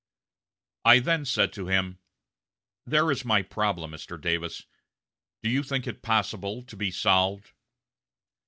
"I then said to him, 'There is my problem, Mr. Davis; do you think it possible to be solved?'